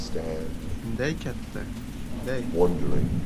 — Shunday, katta, shunday!